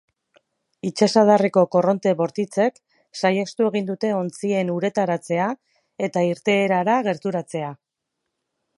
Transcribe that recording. Itsasadarreko korronte bortitzek saihestu egin dute ontzien uretaratzea eta irteerara gerturatzea.